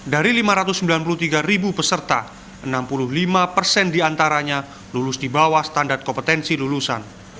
dari lima ratus sembilan puluh tiga ribu peserta enam puluh lima persen diantaranya lulus di bawah standar kompetensi lulusan